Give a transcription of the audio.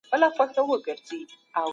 حلال مال د ژوند لپاره اړین دی.